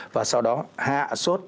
và sau đó hạ suốt